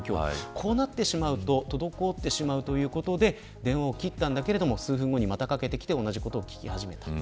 こうなってしまうと滞ってしまうということで電話を切ったんだけど、数分後にまたかけてきて同じことを聞き始めた。